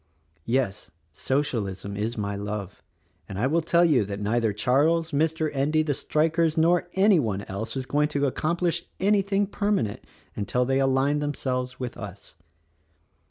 Yes: Socialism is my love, and I will tell you that neither Charles, Mr. Endy, the strikers nor any one else is going to accomplish anything permanent until they align them selves with us.